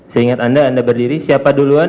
seingat anda anda berdiri siapa duluan